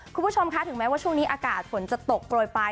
คุณผู้ชมคะถึงแม้ว่าช่วงนี้อากาศฝนจะตกโปรยไป